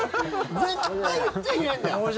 絶対言っちゃいけないんだよ。